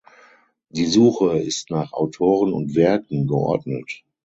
Die Suche ist nach Autoren und Werken geordnet.